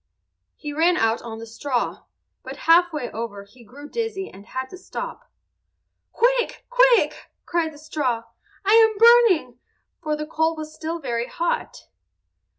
He ran out on the straw, but half way over he grew dizzy and had to stop. "Quick! quick!" cried the straw. "I am burning"; for the coal was still very hot.